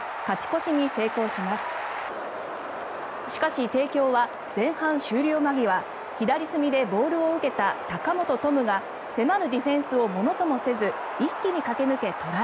しかし、帝京は前半終了間際左隅でボールを受けた高本とむが迫るディフェンスをものともせず一気に駆け抜け、トライ。